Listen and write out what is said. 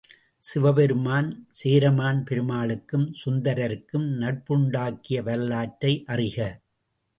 சிவபெருமான், சேரமான் பெருமாளுக்கும், சுந்தரருக்கும் நட்புண்டாக்கிய வரலாற்றை அறிக.